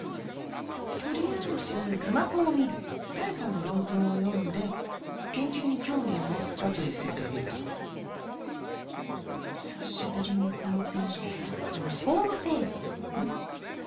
取りあえず多江さんの論文を読んで研究に興味を持ったという設定でいこう久しぶりにこのページ開くなん？